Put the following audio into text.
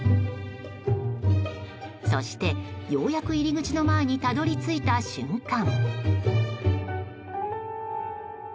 そして、ようやく入り口の前にたどり着いた瞬間。